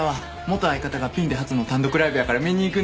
元相方がピンで初の単独ライブやから見に行くねん。